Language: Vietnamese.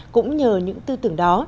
cũng nhờ những tư tưởng đó